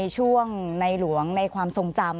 ขอบคุณครับ